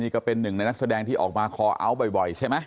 ก็เป็นนึงในนักแสดงที่ออกมาคอวอัลบ่อยใช่มั้ย